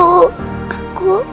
aku pasti akan mencermaskanmu